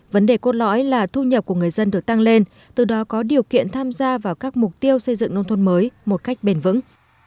vấn đề cốt lõi là thu nhập của người dân được tăng lên từ đó có điều kiện tham gia vào các mục tiêu xây dựng nông thôn mới một cách bền vững